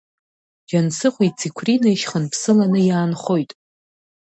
Џьансыхәи Циқәринеи шьхныԥсыланы иаанхоит.